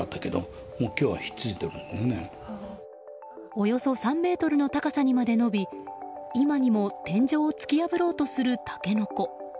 およそ３ｍの高さにまで伸び今にも天井を突き破ろうとするタケノコ。